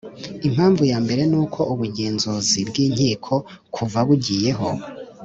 Impamvu ya mbere ni uko Ubugenzuzi bw’inkiko kuva bugiyeho